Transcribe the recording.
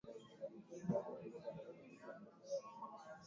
yam ya yako dhiki ya bwana julian